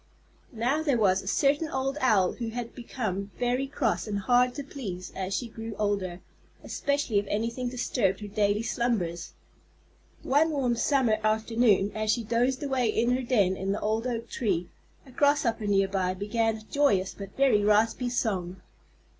Now there was a certain old Owl who had become very cross and hard to please as she grew older, especially if anything disturbed her daily slumbers. One warm summer afternoon as she dozed away in her den in the old oak tree, a Grasshopper nearby began a joyous but very raspy song.